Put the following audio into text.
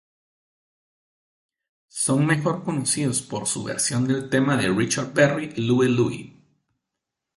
Son mejor conocidos por su versión del tema de Richard Berry "Louie Louie".